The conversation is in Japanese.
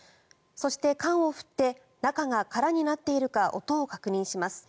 そして、缶を振って中が空になっているか音を確認します。